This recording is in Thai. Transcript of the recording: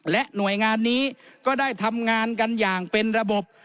และหน่วยงานนี้ก็ได้ทำงานกันอย่างเป็นระบบ